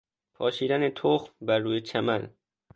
پاشیدن تخم بر روی چمن